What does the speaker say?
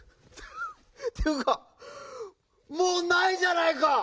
っていうかもうないじゃないか！